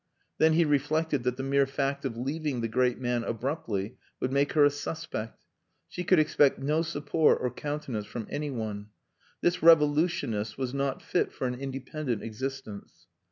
Then he reflected that the mere fact of leaving the great man abruptly would make her a suspect. She could expect no support or countenance from anyone. This revolutionist was not fit for an independent existence.